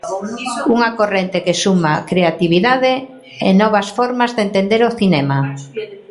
Unha corrente que suma creatividade e novas formas de entender o cinema.